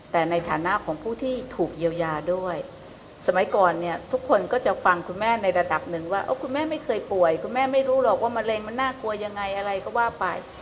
แต่ในฐานะของผู้ที่ถูกเยียวยาด้วยสมัยก่อนเนี่ยทุกคนก็จะฟังคุณแม่ในระดับหนึ่งว่าคุณแม่ไม่เคยป่วยคุณแม่ไม่รู้หรอกว่ามะเร็งมันน่ากลัวยังไงอะไรก็ว่าไป